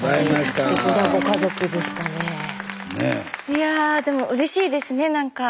いやぁでもうれしいですね何か。